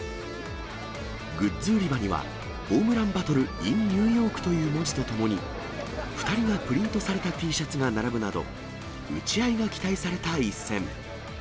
グッズ売り場には、ホームランバトル・イン・ニューヨークという文字とともに、２人がプリントされたＴシャツが並ぶなど、打ち合いが期待された一戦。